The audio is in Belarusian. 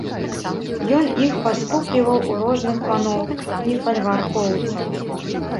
Ён іх паскупліваў у розных паноў і фальваркоўцаў.